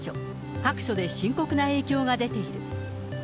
各所で深刻な影響が出ている。